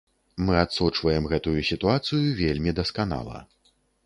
Мы адсочваем гэтую сітуацыю вельмі дасканала.